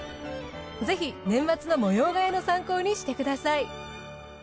ぜひ年末の模様替えの参考にしてください。